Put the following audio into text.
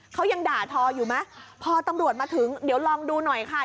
เขายังด่าทออยู่ไหมพอตำรวจมาถึงเดี๋ยวลองดูหน่อยค่ะ